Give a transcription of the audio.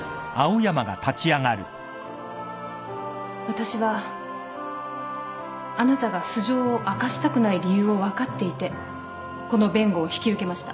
私はあなたが素性を明かしたくない理由を分かっていてこの弁護を引き受けました。